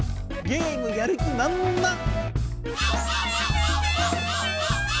ゲームやる気まんまん！